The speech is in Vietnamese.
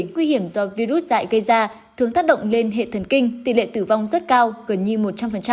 nguy hiểm do virus dạy gây ra thường tác động lên hệ thần kinh tỷ lệ tử vong rất cao gần như một trăm linh